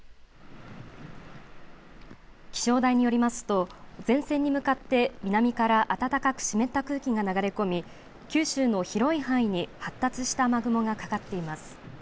気象台によりますと前線に向かって南から暖かく湿った空気が流れ込み九州の広い範囲に発達した雨雲がかかっています。